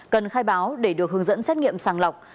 cần khai báo để được hướng dẫn xét nghiệm sàng lọc